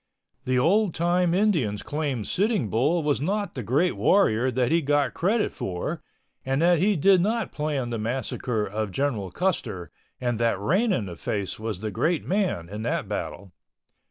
The old time Indians claimed Sitting Bull was not the great warrior that he got credit for and that he did not plan the massacre of General Custer and that Rain in the Face was the great man in that battle.